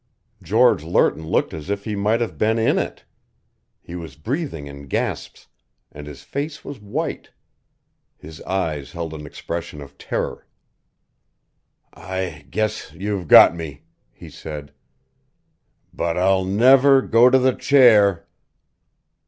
George Lerton looked as if he might have been in it. He was breathing in gasps, and his face was white. His eyes held an expression of terror. "I guess you've got me!" he said. "But I'll never go to the chair!"